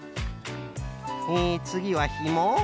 えつぎはひも？